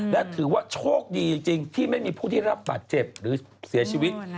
และถือว่าโชคดีจริงที่ไม่มีผู้ที่รับบาดเจ็บหรือเสียชีวิต